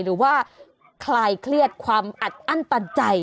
หรือว่าคลายเครียดความอัดอั้นตันใจ